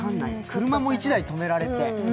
車も１台止められて。